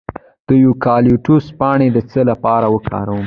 د یوکالیپټوس پاڼې د څه لپاره وکاروم؟